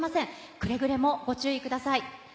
くれぐれもご注意ください。